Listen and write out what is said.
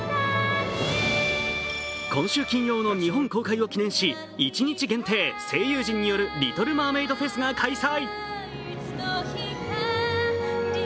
今週金曜の日本公開を記念し１日限定、声優陣による「リトル・マーメイド」フェスが開催。